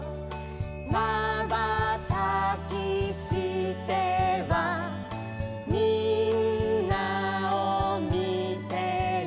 「まばたきしてはみんなをみてる」